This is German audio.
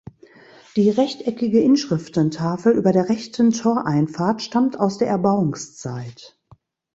Die rechteckige Inschriftentafel über der rechten Toreinfahrt stammt aus der Erbauungszeit.